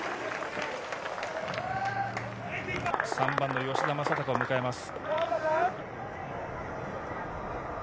３番の吉田正尚を迎えます。